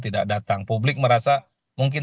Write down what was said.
tidak datang publik merasa mungkin